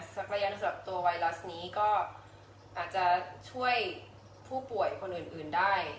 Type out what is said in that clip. จักรยานสำหรับตัวไวรัสนี้ก็อาจจะช่วยผู้ป่วยคนอื่นได้